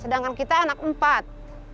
sedangkan kita anak empat